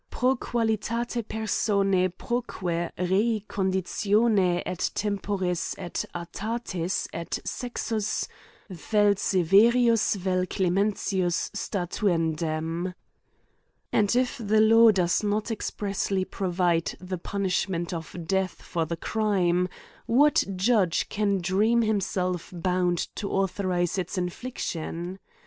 Fro qualitate persona proque rel conditione et temporis et oe talis etsexus, Z 178 A COMMENTARY OjS vel severius vel clementius statuendem^^ And if the law does not expressly provide the punishment of death for the crime — What Judge can deem himself bound to authorise its infliction?